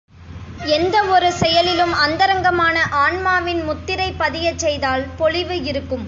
எந்த ஒரு செயலிலும் அந்தரங்கமான ஆன்மாவின் முத்திரை பதியச் செய்தால் பொலிவு இருக்கும்.